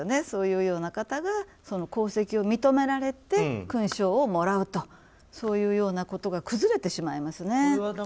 そういうような方が功績を認められて勲章をもらうということが崩れてしまいますね。